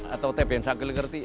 atau tpn sakila kerti